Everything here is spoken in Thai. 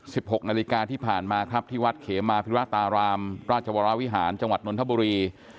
หกนาฬิกาที่ผ่านมาครับที่วัดเขมาพิราตารามราชวรวิหารจังหวัดนทบุรี